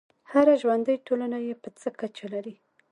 هره ژوندی ټولنه یې په څه کچه لري.